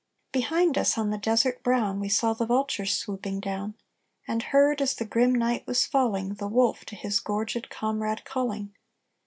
Behind us, on the desert brown, We saw the vultures swooping down; And heard, as the grim night was falling, The wolf to his gorged comrade calling.